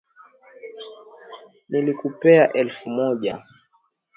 Nilikupea elfu moja.